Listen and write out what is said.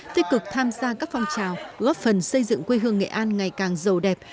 tích cực tham gia các phong trào góp phần xây dựng quê hương nghệ an ngày càng giàu đẹp